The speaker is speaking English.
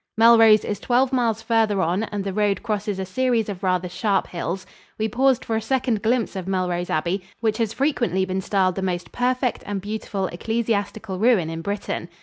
Melrose is twelve miles farther on and the road crosses a series of rather sharp hills. We paused for a second glimpse of Melrose Abbey, which has frequently been styled the most perfect and beautiful ecclesiastical ruin in Britain.